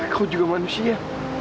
kau juga manusia